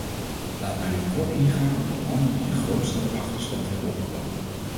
Laat mij nu kort ingaan op de landen die de grootste achterstand hebben opgelopen.